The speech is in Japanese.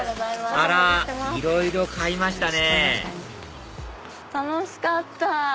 あらいろいろ買いましたね楽しかった！